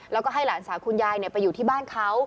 แล้วก็ให้หลานสาวคุณยายไปอยู่ที่บ้านเขา